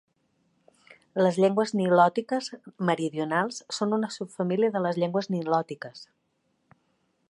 Les llengües nilòtiques meridionals són una subfamília de les llengües nilòtiques.